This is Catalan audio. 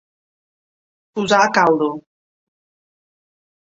Posar a caldo.